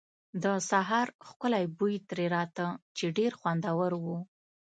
د سهار ښکلی بوی ترې راته، چې ډېر خوندور و.